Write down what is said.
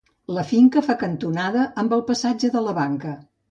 La finca fa cantonada amb el passatge de la Banca.